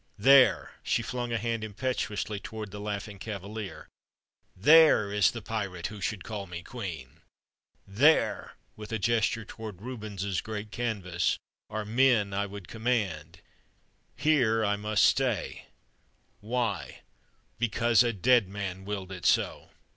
There " she flung a hand impetuously toward the "Laughing Cavalier" "there is the pirate who should call me queen! There" with a gesture toward Rubens's great canvas "are men that I would command. Here, I must stay, why? Because a dead man willed it so.